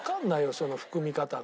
その含み方が。